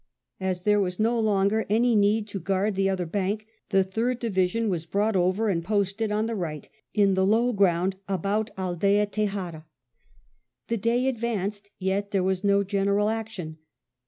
As there was no longer any need to guard the other bank, the Third Division was brought over and posted on the right in the low ground about Aldea Tejada. The day advanced, yet there was no general action.